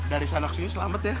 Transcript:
dari sana ke sini selamat ya